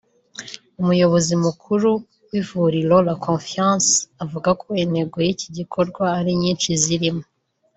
umuyobozi mukuru w’ivuriro la confiance avuga ko intego y’iki gikorwa ari nyinshi zirimo